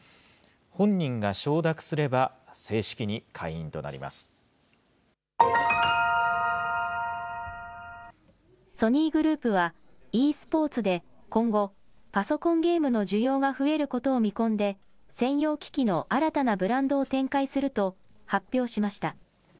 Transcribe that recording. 本人が承諾すれば正式に会員となソニーグループは、ｅスポーツで今後、パソコンゲームの需要が増えることを見込んで、専用機器の新たなブランドを展開すると発表しました。